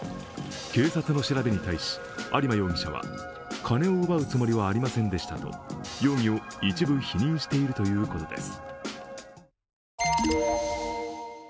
警察の調べに対し、有馬容疑者は金を奪うつもりはありませんでしたと容疑を一部否認しているということです。